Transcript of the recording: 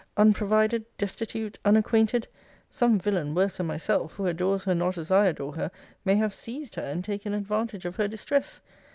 Unprovided, destitute, unacquainted some villain, worse than myself, who adores her not as I adore her, may have seized her, and taken advantage of her distress!